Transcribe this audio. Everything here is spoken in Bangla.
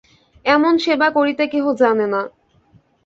এমন সেবা করিতে কেহ জানে না।